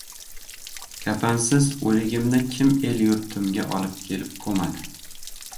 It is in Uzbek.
Kafansiz o‘ligimni kim el-yurtimga olib kelib ko‘madi?